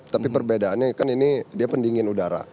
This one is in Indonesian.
tapi perbedaannya kan ini dia pendingin udara